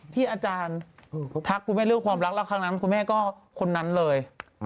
ที่อาจารย์ทักคุณแม่เรื่องความรักแล้วครั้งนั้นคุณแม่ก็คนนั้นเลย